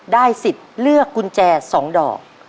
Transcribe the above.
สิทธิ์เลือกกุญแจ๒ดอก